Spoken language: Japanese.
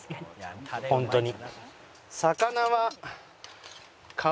本当に。